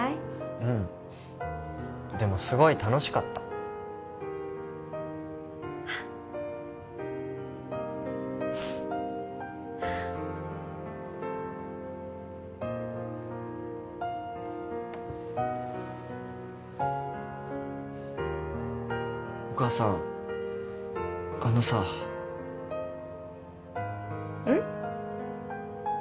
うんでもすごい楽しかったお母さんあのさうん？